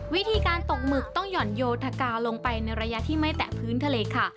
วิธีการตกหมึกต้องหย่อนโยธกาลงไปในระยะที่ไม่แตะพื้นทะเลค่ะ